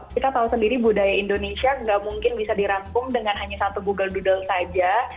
kita tahu sendiri budaya indonesia nggak mungkin bisa dirangkum dengan hanya satu google doodle saja